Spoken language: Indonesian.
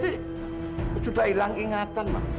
dia tuh sudah hilang ingatan mak